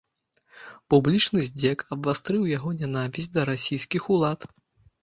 Публічны здзек абвастрыў яго нянавісць да расійскіх улад.